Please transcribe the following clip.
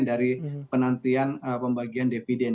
dari penantian pembagian dividen